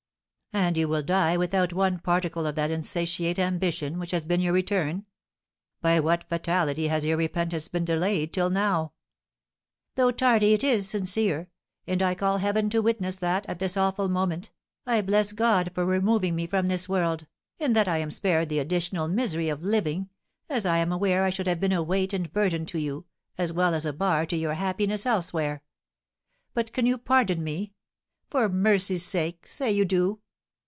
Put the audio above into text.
"And you will die without one particle of that insatiate ambition which has been your return! By what fatality has your repentance been delayed till now?" "Though tardy, it is sincere; and I call Heaven to witness that, at this awful moment, I bless God for removing me from this world, and that I am spared the additional misery of living, as I am aware I should have been a weight and burden to you, as well as a bar to your happiness elsewhere. But can you pardon me? For mercy's sake, say you do!